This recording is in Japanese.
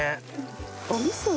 お味噌を。